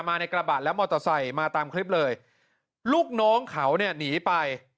ในกระบะแล้วมอเตอร์ไซค์มาตามคลิปเลยลูกน้องเขาเนี่ยหนีไป